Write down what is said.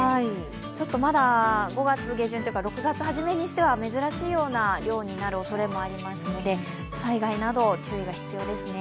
ちょっとまだ５月下旬というか６月初めにしては、珍しいような量になるおそれもあるので災害など注意が必要ですね。